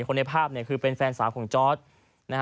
คนในภาพคือเป็นแฟนสาวของจอร์ธ